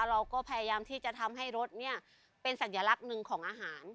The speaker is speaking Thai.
เราก็พยายามที่จะทำให้รสเนี่ยเป็นสัญลักษณ์หนึ่งของอาหาร